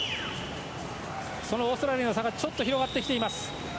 そのオーストラリアの差がちょっと広がってきています。